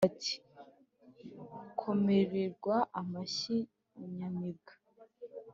bati :« komerwa amashyi nyamibwa,